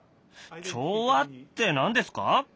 調和って何ですか？